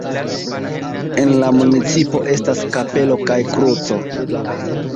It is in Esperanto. En la municipo estas kapelo kaj kruco.